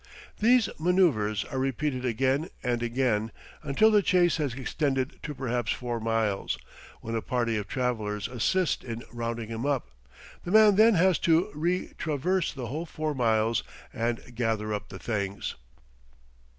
These manoeuvres are repeated again and again, until the chase has extended to perhaps four miles, when a party of travellers assist in rounding him up; the man then has to re traverse the whole four miles and gather up the things.